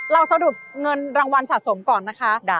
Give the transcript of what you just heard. สรุปเงินรางวัลสะสมก่อนนะคะ